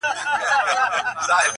که په سېلونو توتکۍ وتلي.!